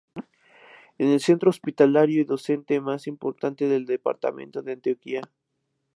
Es el centro Hospitalario y docente más importante del Departamento de Antioquia.